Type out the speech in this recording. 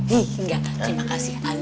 hih enggak terima kasih ya